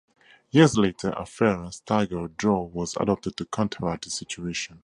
Years later, a fairer, staggered draw was adopted to counteract this situation.